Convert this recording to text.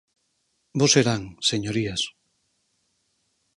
Bo serán, señorías.